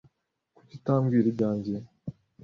Kuki utambwira ibyanjye?